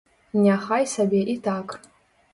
Няхай сабе і так.